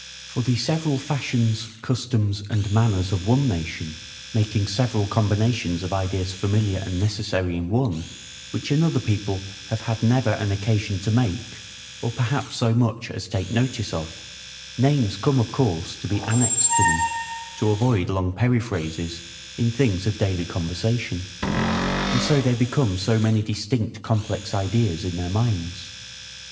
For the several fashions, customs, and manners of one nation, making several combinations of ideas familiar and necessary in one, which another people have had never an occasion to make, or perhaps so much as take notice of, names come of course to be annexed to them, to avoid long periphrases in things of daily conversation; and so they become so many distinct complex ideas in their minds.